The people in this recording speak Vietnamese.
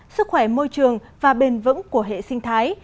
sức khỏe môi trường và bền vững của hệ sinh thái